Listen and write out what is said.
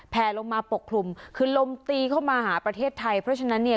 แผลลงมาปกคลุมคือลมตีเข้ามาหาประเทศไทยเพราะฉะนั้นเนี่ย